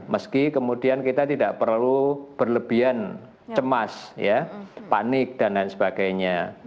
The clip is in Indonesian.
meski kemudian kita tidak perlu berlebihan cemas panik dan lain sebagainya